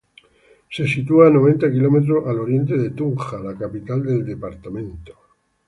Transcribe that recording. Se sitúa a noventa kilómetros al oriente de Tunja, la capital del departamento.